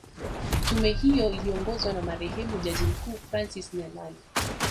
Tume hiyo iliongozwa na marehemu jaji mkuu Francis Nyalali